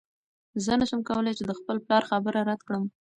زه نشم کولی چې د خپل پلار خبره رد کړم.